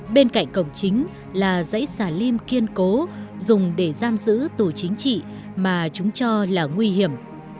bên cạnh cổng chính là dãy xà lim kiên cố dùng để giam giữ tù chính trị mà chúng cho là nguy hiểm